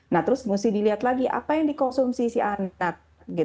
nah terus mesti dilihat lagi apa yang dikonsumsi si anak